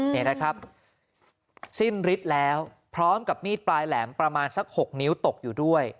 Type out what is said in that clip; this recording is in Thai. นี่นะครับสิ้นฤทธิ์แล้วพร้อมกับมีดปลายแหลมประมาณสัก๖นิ้วตกอยู่ด้วย